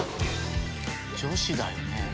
女子だよね？